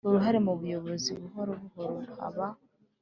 Uruhare mu buyobozi buhoro buhoro haba